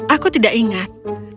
aku tidak ingat